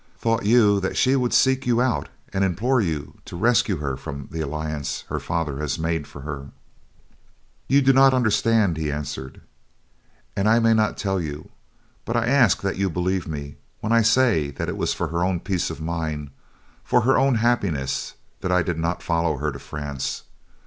Thought you that she would seek you out and implore you to rescue her from the alliance her father has made for her?" "You do not understand," he answered, "and I may not tell you; but I ask that you believe me when I say that it was for her own peace of mind, for her own happiness, that I did not follow her to France.